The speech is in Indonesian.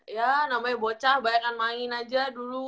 ya namanya bocah bayangan main aja dulu